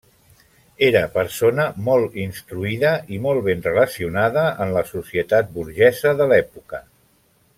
Era persona molt instruïda i molt ben relacionada en la societat burgesa de l'època.